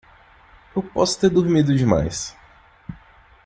Eu posso ter dormido demais.